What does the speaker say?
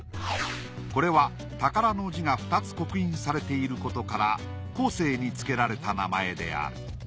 これは宝の字が２つ刻印されていることから後世に付けられた名前である。